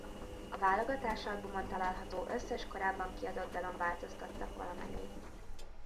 A válogatásalbumon található összes korábban kiadott dalon változtattak valamennyit.